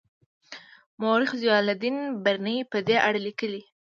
مورخ ضیاالدین برني په دې اړه لیکلي دي.